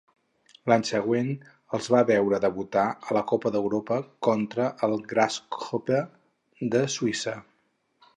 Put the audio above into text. L'any següent els va veure debutar a la Copa d'Europa contra el Grasshopper de Suïssa.